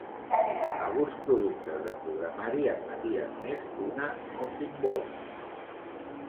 Alguns productes de programari admetien més d'una Mockingboard.